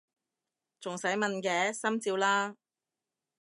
仲使問嘅！心照啦！